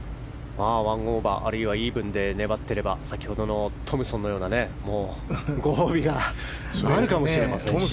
１オーバー、あるいはイーブンで粘っていれば先ほどのトムソンのようなご褒美があるかもしれませんし。